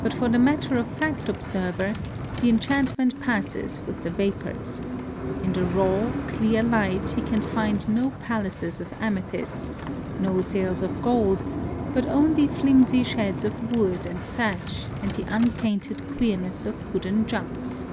But for the matter of fact observer, the enchant ment passes with the vapors : in the raw, clear light he can find no palaces of amethyst, no sails of gold, but only flimsy sheds of wood and thatch and the unpainted queerness of wooden junks.